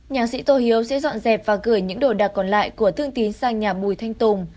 nhạc sĩ tô hiếu sẽ dọn dẹp và gửi những đồ đạc còn lại của thương tín sang nhà bùi thanh tùng